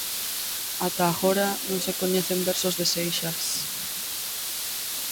Ata agora non se coñecen versos de Seixas.